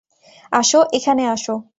আসো, এখানে আসো।